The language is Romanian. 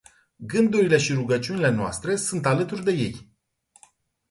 Gândurile și rugăciunile noastre sunt alături de ei.